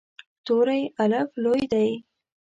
توری “الف” لوی دی.